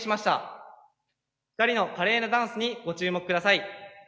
２人の華麗なダンスにご注目ください。